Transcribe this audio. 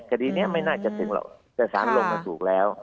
คดีนี้ไม่น่าจะถึงหรอกแต่สารลงมาถูกแล้ว